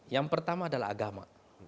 yang pertama adalah agama